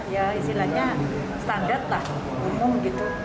ya istilahnya standar lah umum gitu